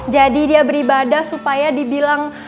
jadi dia beribadah supaya dibilang